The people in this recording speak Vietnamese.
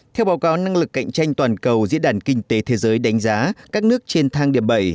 theo báo cáo năng lực cạnh tranh toàn cầu diễn đàn kinh tế thế giới đánh giá các nước trên thang điểm bảy